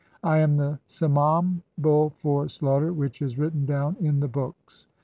(14) I am the Smam "bull [for slaughter] which is written down in the books.